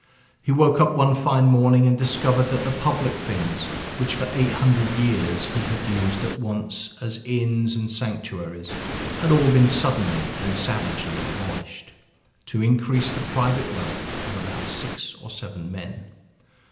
He woke up one fine morning and discovered that the public things, which for eight hundred years he had used at once as inns and sanctuaries, had all been suddenly and savagely abolished, to increase the private wealth of about six or seven men.